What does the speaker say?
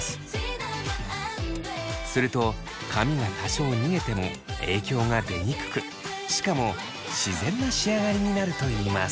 すると髪が多少逃げても影響が出にくくしかも自然な仕上がりになるといいます。